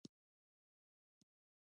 د نساجي صنعت ولې کمزوری شو؟